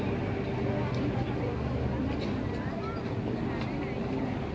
มันเป็นสิ่งที่จะให้ทุกคนรู้สึกว่ามันเป็นสิ่งที่จะให้ทุกคนรู้สึกว่า